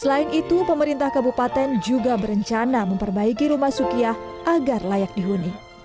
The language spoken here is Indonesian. selain itu pemerintah kabupaten juga berencana memperbaiki rumah sukiyah agar layak dihuni